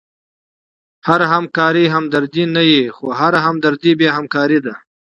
هره همکاري همدردي نه يي؛ خو هره همدردي بیا همکاري ده.